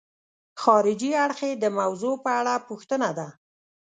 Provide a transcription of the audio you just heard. خارجي اړخ یې د موضوع په اړه پوښتنه ده.